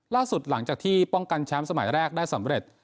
ล่าสุดหลังจากที่ป้องกันแชมป์สมัยแรกได้สำเร็จ